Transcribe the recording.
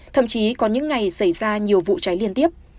thậm chí có những ngày xảy ra nhiều vụ cháy liên tiếp